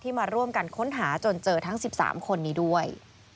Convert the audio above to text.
มาร่วมกันค้นหาจนเจอทั้ง๑๓คนนี้ด้วย